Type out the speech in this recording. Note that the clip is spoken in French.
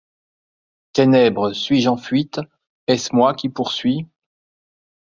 Ténèbres, suis-je en fuite ? est-ce moi qui poursuis ?